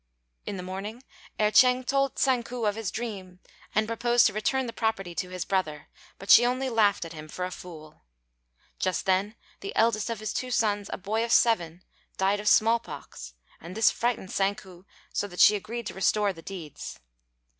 In the morning Erh ch'êng told Tsang ku of his dream, and proposed to return the property to his brother; but she only laughed at him for a fool. Just then the eldest of his two sons, a boy of seven, died of small pox, and this frightened Tsang ku so that she agreed to restore the deeds.